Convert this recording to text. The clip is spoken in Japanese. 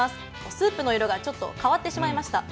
スープの色がちょっと変わってしまいました。